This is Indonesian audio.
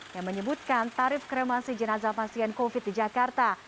yang menyebutkan tarif kremasi jenazah pasien covid di jakarta